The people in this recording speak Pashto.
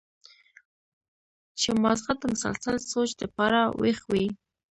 چې مازغه د مسلسل سوچ د پاره وېخ وي